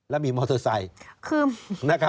แล้วมีมอเตอร์ไซค์